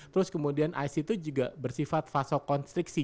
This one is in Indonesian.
terus kemudian ice itu juga bersifat fasokonstriksi